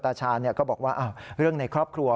ตาชาญก็บอกว่าเรื่องในครอบครัว